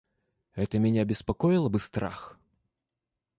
Это меня беспокоило бы страх.